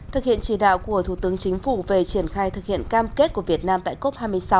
thực hiện chỉ đạo của thủ tướng chính phủ về triển khai thực hiện cam kết của việt nam tại cop hai mươi sáu